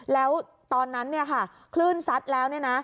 แล้วตอนนั้นเนี่ยค่ะคลื่นซัดแล้ว